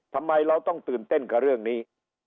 ทำไมเราต้องตื่นเต้นกับเรื่องนี้